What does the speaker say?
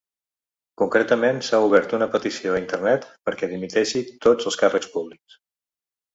Concretament s’ha obert una petició a internet perquè dimiteixi tots els càrrecs públics.